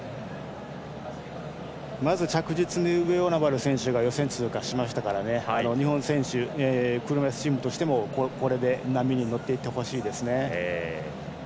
まず着実に上与那原選手が予選を通過しましたから日本選手、車いすチームとしてもこれで波に乗っていってほしいですね。